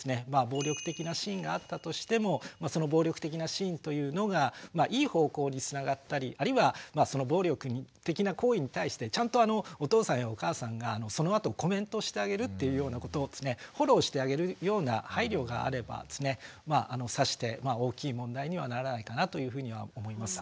暴力的なシーンがあったとしてもその暴力的なシーンというのがいい方向につながったりあるいはその暴力的な行為に対してちゃんとお父さんやお母さんがそのあとコメントしてあげるっていうようなことをですねフォローしてあげるような配慮があればですねさして大きい問題にはならないかなというふうには思います。